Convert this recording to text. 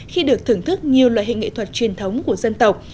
khi được thưởng thức nhiều loại hình nghệ thuật truyền thống của dân tộc